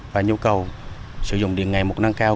và nhu cầu sử dụng điện ngày một nâng cao